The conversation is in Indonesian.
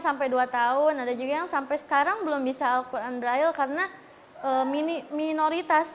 sampai dua tahun ada juga yang sampai sekarang belum bisa aku undrial karena minoritas